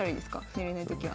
寝れないときは。